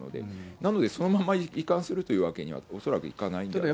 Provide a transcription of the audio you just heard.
なので、そのまま移管するというわけには恐らくいかないんではないかなと。